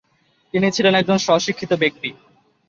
তিনি ছিলেন একজন স্ব-শিক্ষিত ব্যক্তি।